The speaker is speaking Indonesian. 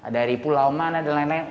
dari pulau mana dan lain lain